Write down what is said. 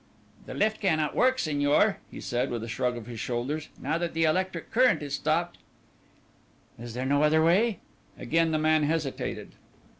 "The lift cannot work, signor," he said, with a shrug of his shoulders, "now that the electric current is stopped." "Is there no other way?" Again the man hesitated.